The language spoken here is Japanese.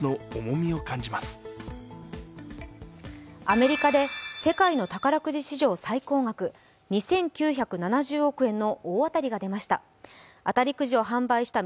アメリカで世界の宝くじ史上最高額２９７０億円の大当たりが出ました。